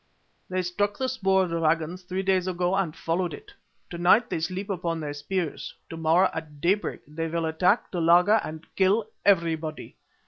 They struck the spoor of the waggons three days ago and followed it. To night they sleep upon their spears, to morrow at daybreak they will attack the laager and kill everybody.